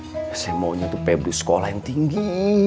saya maunya tuh pebri sekolah yang tinggi